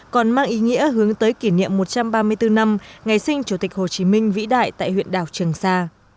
còn mang ý nghĩa hướng tới kỷ niệm một trăm ba mươi bốn năm ngày sinh chủ tịch hồ chí minh vĩ đại tại huyện đảo trường sa